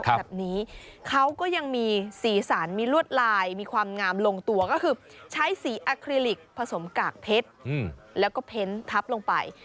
แบบนี้เขาก็ยังมีสีสันมีลวดลายมีความงามลงตัวก็คือใช้สีอคลิลิกผสมกากเพชรแล้วก็เพ้นทับลงไป